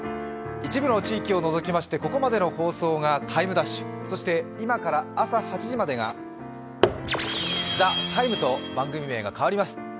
一部の地域を除きましてここまでの放送が「ＴＩＭＥ’」、そして、今から朝８時までが「ＴＨＥＴＩＭＥ，」と番組名が変わります。